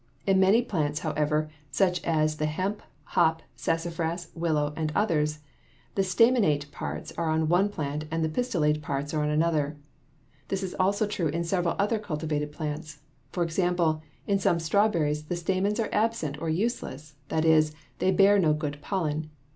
35). In many plants, however, such as the hemp, hop, sassafras, willow, and others, the staminate parts are on one plant and the pistillate parts are on another. This is also true in several other cultivated plants. For example, in some strawberries the stamens are absent or useless; that is, they bear no good pollen.